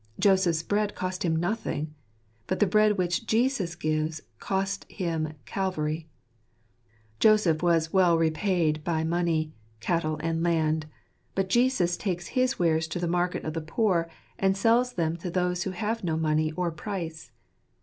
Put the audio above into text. Joseph's bread cost him nothing ; but the bread which Jesus gives cost Him Calvary, Joseph was well repaid by money, cattle, and land ; but Jesus takes his wares to the market of the poor, and sells them to those who have no money or price.